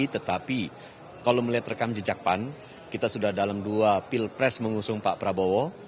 tetapi kalau melihat rekam jejak pan kita sudah dalam dua pilpres mengusung pak prabowo